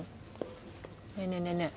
ねえねえねえねえ。